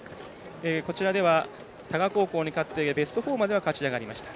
こちらでも勝ってベスト４までは勝ち上がりました。